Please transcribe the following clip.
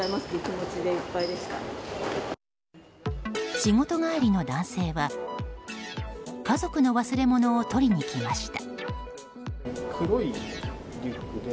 仕事帰りの男性は家族の忘れ物を取りに来ました。